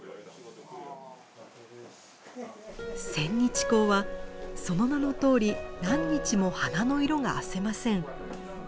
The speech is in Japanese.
千日紅はその名のとおり何日も花の色があせません。